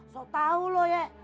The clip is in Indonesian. so tau loh ya